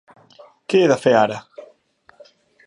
Què he de fer ara?